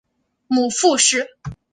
母傅氏。